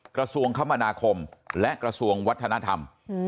กระทรวงคมนาคมและกระทรวงวัฒนธรรม